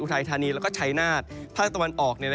ไทยธานีแล้วก็ชัยนาศภาคตะวันออก